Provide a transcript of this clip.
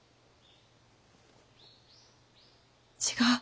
違う。